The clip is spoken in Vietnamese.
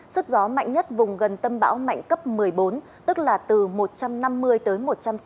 sức gió mạnh nhất vùng gần tâm bão mạnh cấp một mươi bốn tức là từ một trăm năm mươi tới một trăm sáu mươi năm km một giờ giật cấp một mươi bảy